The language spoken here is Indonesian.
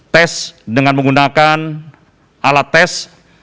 tes dengan menggunakan alat tes